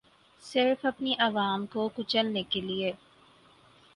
صرف اپنی عوام کو کچلنے کیلیے